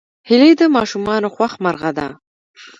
هیلۍ د ماشومانو خوښ مرغه ده